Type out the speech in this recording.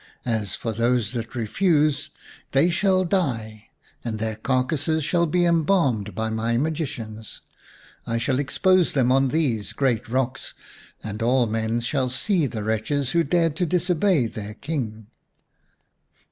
As for those that refuse, they shall die, and their carcases shall be embalmed by my magicians. I shall expose them on these great rocks, and all men shall see the wretches who dared to disobey their King."